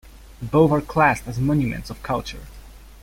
Both are classed as monuments of culture.